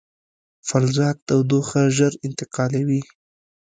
فلزات تودوخه ژر انتقالوي.